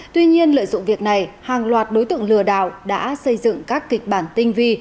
tuy nhiên lợi dụng việc này hàng loạt đối tượng lừa đảo đã xây dựng các kịch bản tinh vi